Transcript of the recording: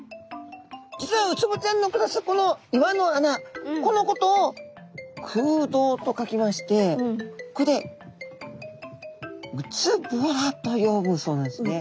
実はウツボちゃんの暮らすこの岩の穴このことを空洞と書きましてこれで「うつぼら」と読むそうなんですね。